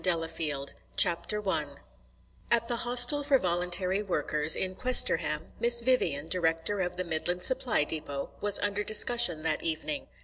Delafield I At the Hostel for Voluntary Workers, in Questerham, Miss Vivian, Director of the Midland Supply Depôt, was under discussion that evening.